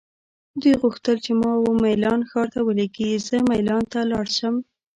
دوی غوښتل چې ما وه میلان ښار ته ولیږي، زه مېلان ته لاړ شم.